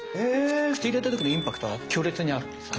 口入れたときのインパクトは強烈にあるんですね。